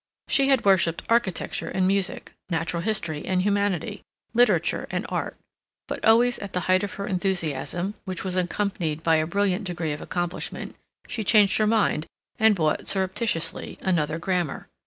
She had worshipped architecture and music, natural history and humanity, literature and art, but always at the height of her enthusiasm, which was accompanied by a brilliant degree of accomplishment, she changed her mind and bought, surreptitiously, another grammar.